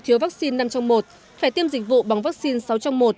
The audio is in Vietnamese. do thiếu vaccine năm trong một phải tiêm dịch vụ bóng vaccine sáu trong một